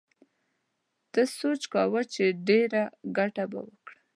ده سوچ کاوه چې ډېره گټه به وکړم.